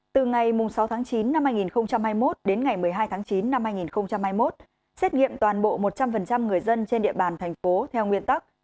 từ ngày sáu tháng chín năm hai nghìn hai mươi một đến ngày một mươi hai tháng chín năm hai nghìn hai mươi một xét nghiệm toàn bộ một trăm linh người dân trên địa bàn thành phố theo nguyên tắc